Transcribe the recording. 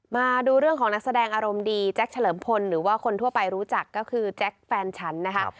มาดูเรื่องของนักแสดงอารมณ์ดีแจ๊คเฉลิมพลหรือว่าคนทั่วไปรู้จักก็คือแจ็คแฟนฉันนะคะ